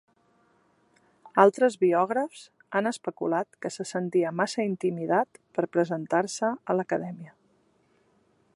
Altres biògrafs han especulat que se sentia massa intimidat per presentar-se a l'Acadèmia.